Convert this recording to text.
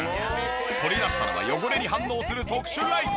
取り出したのは汚れに反応する特殊ライト。